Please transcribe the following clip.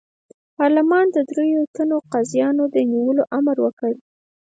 پارلمان د دریوو تنو قاضیانو د نیولو امر وکړ.